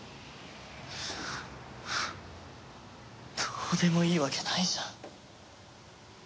どうでもいいわけないじゃん。